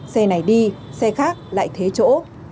xe này đi xe khác lại thế chỗ